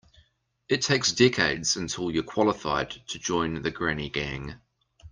It takes decades until you're qualified to join the granny gang.